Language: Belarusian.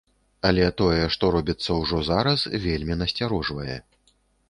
Але тое, што робіцца ўжо зараз, вельмі насцярожвае.